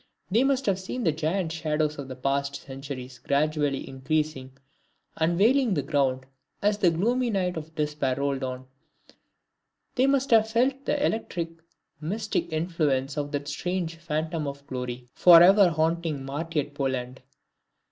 They must have seen the giant shadows of past centuries gradually increasing, and veiling the ground as the gloomy night of despair rolled on; they must have felt the electric and mystic influence of that strange "phantom of glory" forever haunting martyred Poland.